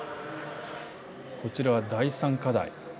こちらは、第３課題。